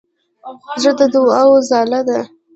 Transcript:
زړه د دوعا ځاله ده.